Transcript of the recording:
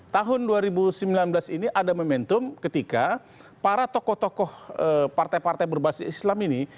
tahun dua ribu sembilan belas ini ada momentum ketika para tokoh tokoh partai partai berbasis islam ini